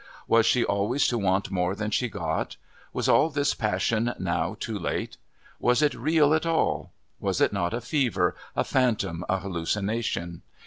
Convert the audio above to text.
Was she always to want more than she got, was all this passion now too late? Was it real at all? Was it not a fever, a phantom, a hallucination?